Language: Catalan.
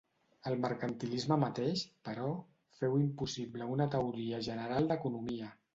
El mercantilisme mateix, però, féu impossible una teoria general d'economia.